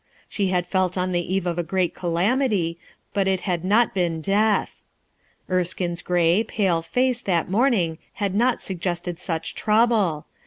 She had felt on the eve of a great calamity, but it had not been death. Erskine's gray, pale face that morning had not suggested such trouble.